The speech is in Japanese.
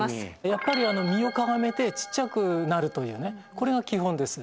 やっぱり身をかがめてちっちゃくなるというねこれが基本です。